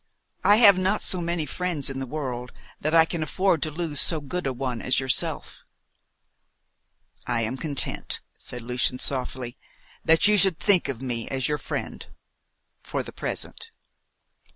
I have not so many friends in the world that I can afford to lose so good a one as yourself." "I am content," said Lucian softly, "that you should think of me as your friend for the present."